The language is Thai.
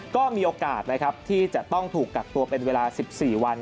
ก็มีโอกาสนะครับที่จะต้องถูกกักตัวเป็นเวลา๑๔วัน